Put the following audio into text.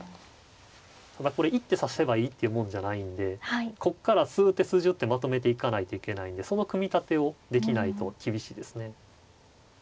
ただこれ一手指せばいいってもんじゃないんでこっから数手数十手まとめていかないといけないんでその組み立てをできないと厳しいですね。